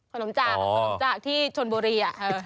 ขนมจากขนมจากที่ชนบุรี